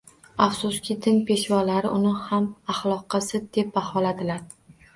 Afsuski, din peshvolari uni ham axloqqa zid, deb baholadilar